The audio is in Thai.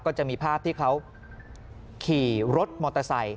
ก็จะมีภาพที่เขาขี่รถมอเตอร์ไซค